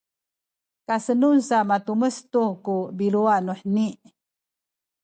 kasenun sa matumes tu ku biluwa nuheni